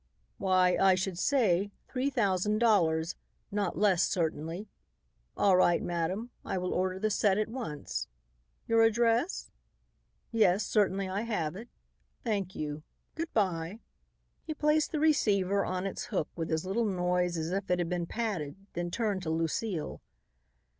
"Why, I should say, three thousand dollars; not less, certainly. All right, madam, I will order the set at once. Your address? Yes, certainly, I have it. Thank you. Good bye." He placed the receiver on its hook with as little noise as if it had been padded, then turned to Lucile.